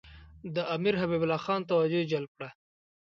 د امیر حبیب الله خان توجه یې جلب کړه.